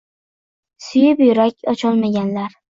Suyib yurak ocholmaganlar